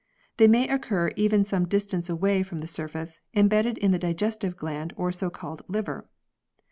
They may occur even some distance away from the surface, embedded in the digestive gland or so called liver.